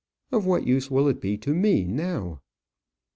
Of what use will it be to me now?"